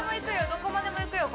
どこまでもいくよ